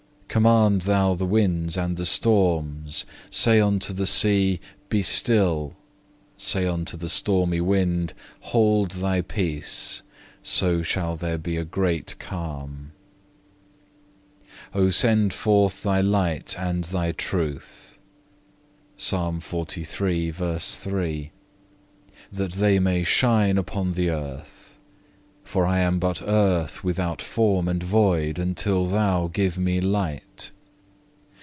Command Thou the winds and the storms, say unto the sea, "Be still," say unto the stormy wind, "Hold thy peace," so shall there be a great calm. 9. Oh send forth Thy light and Thy truth,(4) that they may shine upon the earth; for I am but earth without form and void until Thou give me light.